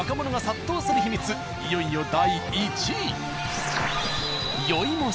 いよいよ第１位。